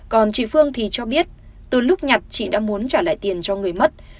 còn chị phương thì cho biết từ lúc nhặt chị đã muốn trả lại tiền cho người mất